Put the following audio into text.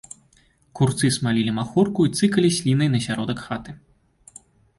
Курцы смалілі махорку і цыкалі слінай на сяродак хаты.